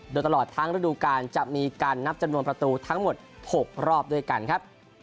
โดยตลอดทั้งฤดูการจะมีการนับจำนวนประตูทั้งหมด๖รอบด้วยกันครับ